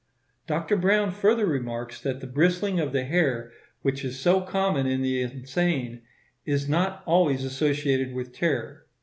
Dr. Browne further remarks that the bristling of the hair which is so common in the insane, is not always associated with terror.